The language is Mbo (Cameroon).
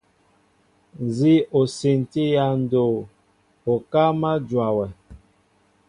Nzi o siini ya ndoo, okáá ma njóa wɛ.